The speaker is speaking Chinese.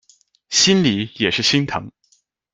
心里也是心疼